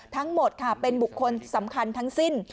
ทั้งหมดค่ะเป็นบุคคลสำคัญทั้งสิ้น